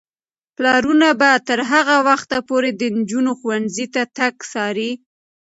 پلرونه به تر هغه وخته پورې د نجونو ښوونځي ته تګ څاري.